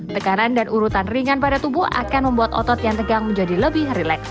tekanan dan urutan ringan pada tubuh akan membuat otot yang tegang menjadi lebih rileks